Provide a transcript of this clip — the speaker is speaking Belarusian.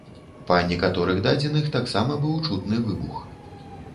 Па некаторых дадзеных, таксама быў чутны выбух.